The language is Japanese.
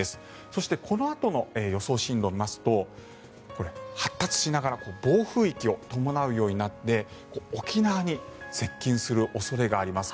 そして、このあとの予想進路を見ますと発達しながら暴風域を伴うようになって沖縄に接近する恐れがあります。